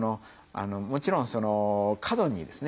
もちろんその過度にですね